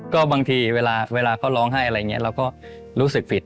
ก็บางทีเวลาเขาร้องไห้อะไรอย่างนี้เราก็รู้สึกผิด